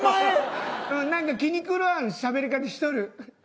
何か気にくわんしゃべり方しとる。